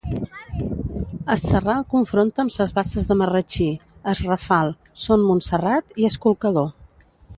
Es Serral confronta amb ses Basses de Marratxí, es Rafal, Son Montserrat i es Colcador.